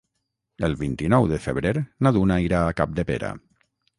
El vint-i-nou de febrer na Duna irà a Capdepera.